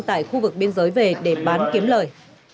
tại khu vực biên giới về để bán kiếm lời